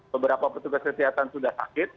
beberapa petugas kesehatan sudah sakit